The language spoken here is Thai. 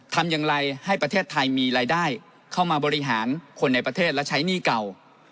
ทำอย่างไรให้ประเทศไทยมีรายได้เข้ามาบริหารคนในประเทศและใช้หนี้เก่า